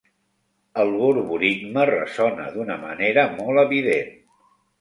El borborigme ressona d'una manera molt evident.